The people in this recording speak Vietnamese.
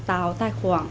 tào tài khoản